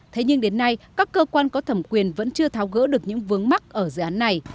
thế nhưng đến nay các cơ quan có thẩm quyền vẫn chưa tháo gỡ được những vướng mắt ở dự án này